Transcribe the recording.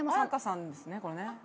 絢香さんですね